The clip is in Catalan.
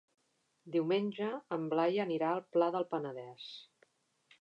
Diumenge en Blai anirà al Pla del Penedès.